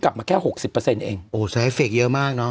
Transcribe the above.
คือคือคือคือ